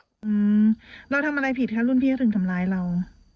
อืมเราทำอะไรผิดคะรุ่นพี่เขาถึงทำร้ายเรา